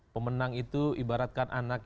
pemenang itu ibaratkan anak